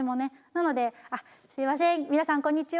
なので「あすみません皆さんこんにちは。